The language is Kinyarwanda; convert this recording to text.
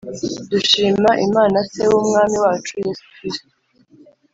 Dushima Imana Se w Umwami wacu Yesu Kristo